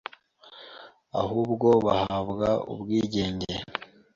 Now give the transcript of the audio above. ahubwo bahabwa ubwigenge